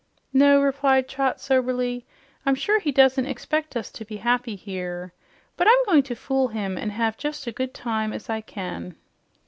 "No," replied Trot soberly, "I'm sure he does not expect us to be happy here. But I'm going to fool him and have just as good a time as I can."